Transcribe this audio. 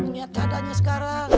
niat keadaannya sekarang